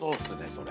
それ。